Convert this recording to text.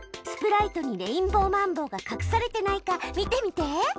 スプライトにレインボーマンボウがかくされてないか見てみて！